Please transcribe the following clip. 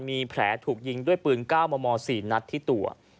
มีแผลถูกยิงด้วยปืน๙มม๔นัดที่ตัว